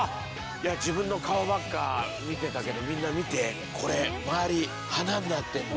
いや自分の顔ばっか見てたけどみんな見てこれ周り花になってんの。